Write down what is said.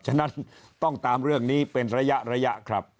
ฉะนั้นต้องตามเรื่องนี้เป็นระยะครับ